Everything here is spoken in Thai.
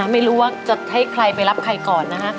ไม่รู้ว่าจะให้ใครไปรับใครก่อนนะฮะ